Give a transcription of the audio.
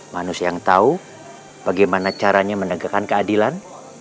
manusia yang tahu bagaimana caranya menegakkan keadilan